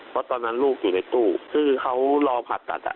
เพราะตอนนั้นลูกอยู่ในตู้ซึ่งเขารอผ่าตัด